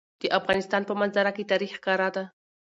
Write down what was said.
د افغانستان په منظره کې تاریخ ښکاره ده.